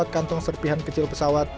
enam puluh empat kantong serpihan kecil pesawat